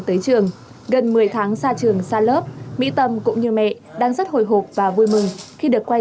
tới trường gần một mươi tháng xa trường sa lớp mỹ tâm cũng như mẹ đang rất hồi hộp và vui mừng khi được quay